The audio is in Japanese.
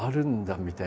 みたいな。